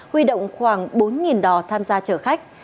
huy động khoảng bốn đò tham gia chở khách